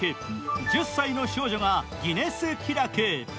１０歳の少女がギネス記録。